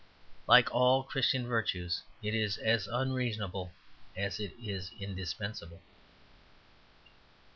Like all the Christian virtues, it is as unreasonable as it is indispensable.